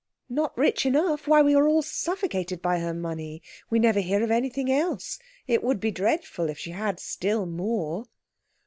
"Not rich enough? Why, we are all suffocated by her money. We never hear of anything else. It would be dreadful if she had still more."